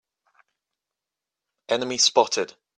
Enemy spotted!